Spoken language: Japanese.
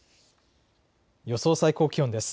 予想最高気温です。